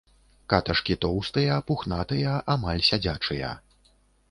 Каташкі тоўстыя, пухнатыя, амаль сядзячыя.